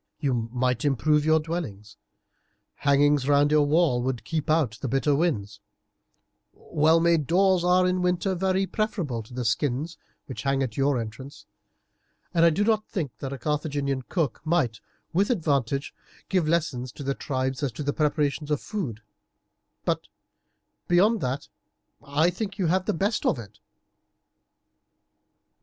You might improve your dwellings, hangings round your walls would keep out the bitter winds, well made doors are in winter very preferable to the skins which hang at your entrance, and I do think that a Carthaginian cook might, with advantage, give lessons to the tribes as to preparations of food; but beyond that I think that you have the best of it."